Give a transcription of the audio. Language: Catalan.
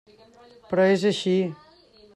Però és així.